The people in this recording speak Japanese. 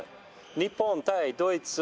日本対ドイツ